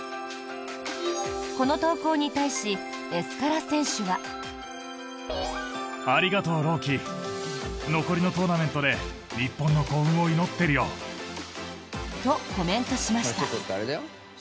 この投稿に対しエスカラ選手は。と、コメントしました。